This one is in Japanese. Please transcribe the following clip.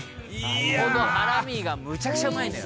「このハラミがむちゃくちゃうまいのよ」